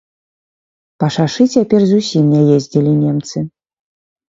Па шашы цяпер зусім не ездзілі немцы.